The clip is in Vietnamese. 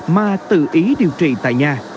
mà tự ý điều trị tại nhà